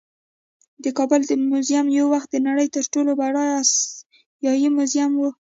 د کابل میوزیم یو وخت د نړۍ تر ټولو بډایه آسیايي میوزیم و